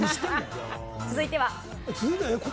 続いては。